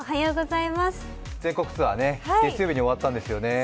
全国ツアー、月曜日に終わったんですよね。